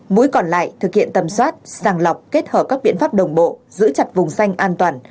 mũi còn lại thực hiện tầm soát sàng lọc kết hợp các biện pháp đồng bộ giữ chặt vùng xanh an toàn